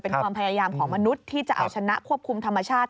เป็นความพยายามของมนุษย์ที่จะเอาชนะควบคุมธรรมชาติ